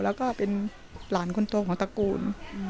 แล้วก็เป็นหลานคนโตของตระกูล